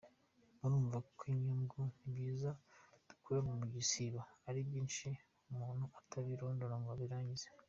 Murumva ko inyungu n’ibyiza dukura mu gisibo ari byinshi umuntu atabirondora ngo abirangize.